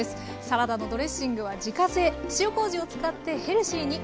サラダのドレッシングは自家製塩こうじを使ってヘルシーに。